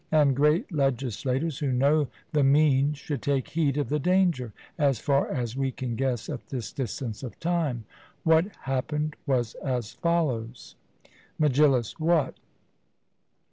And great legislators who know the mean should take heed of the danger. As far as we can guess at this distance of time, what happened was as follows: MEGILLUS: What?